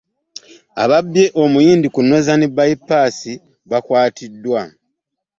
Ababbye omuyindi ku Northern by pass' bakwatiddwa.